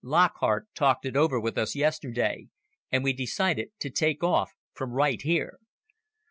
"Lockhart talked it over with us yesterday, and we decided to take off from right here."